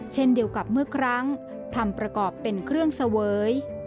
เช่นเดียวกับเมื่อครั้งทำประกอบเป็นเครื่องเสวย